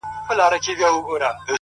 • ستا آواز به زه تر عرشه رسومه,